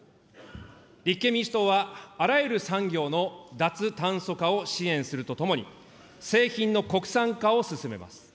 立憲民主党は、あらゆる産業の脱炭素化を支援するとともに、製品の国産化を進めます。